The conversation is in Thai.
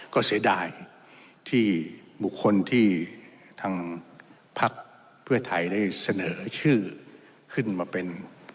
ก็เสียดายที่บุคคลที่ทางพักเพื่อไทยได้เสนอชื่อขึ้นมาเป็น